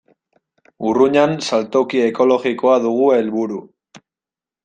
Urruñan saltoki ekologikoa dugu helburu.